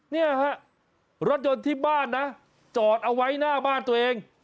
เนี่ยฮะรถยนต์ที่บ้านนะจอดเอาไว้หน้าบ้านตัวเอง